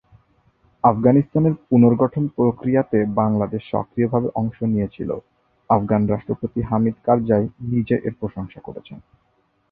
আফগানিস্তানের পুনর্গঠন প্রক্রিয়াতে বাংলাদেশ সক্রিয়ভাবে অংশ নিয়েছিল, আফগান রাষ্ট্রপতি হামিদ কারজাই নিজে এর প্রশংসা করেছেন।